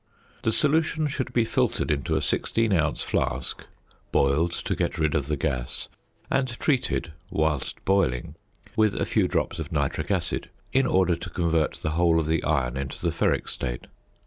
The solution should be filtered into a 16 oz. flask, boiled to get rid of the gas, and treated (whilst boiling) with a few drops of nitric acid, in order to convert the whole of the iron into the ferric state.